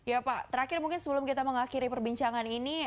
ya pak terakhir mungkin sebelum kita mengakhiri perbincangan ini